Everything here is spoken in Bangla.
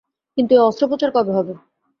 কিন্তু এই অস্ত্রোপচার হবে কবে?